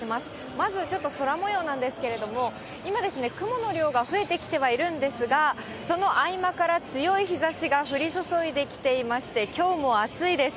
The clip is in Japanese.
まず、ちょっと空もようなんですけれども、今ですね、雲の量が増えてきてはいるんですが、その合間から強い日ざしが降り注いできていまして、きょうも暑いです。